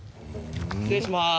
失礼します。